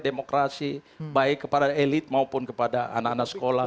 demokrasi baik kepada elit maupun kepada anak anak sekolah